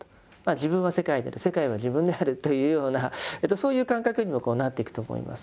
自分は世界であり世界は自分であるというようなそういう感覚にもなっていくと思います。